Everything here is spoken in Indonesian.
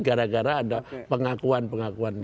gara gara ada pengakuan pengakuan